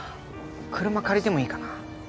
車借りてもいいかな？